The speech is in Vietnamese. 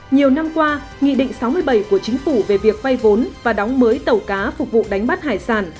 nhiều năm qua nghị định sáu mươi bảy của chính phủ về việc vay vốn và đóng mới tàu cá phục vụ đánh bắt hải sản